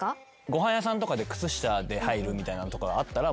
ご飯屋さんとかで靴下で入るみたいなのあったら。